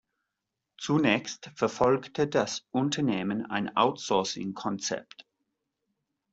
Zunächst verfolgte das Unternehmen ein Outsourcing-Konzept.